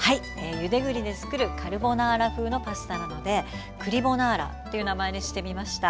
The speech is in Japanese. ゆで栗でつくるカルボナーラ風のパスタなので栗ボナーラという名前にしてみました。